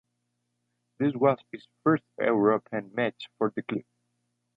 This was his first European match for the club.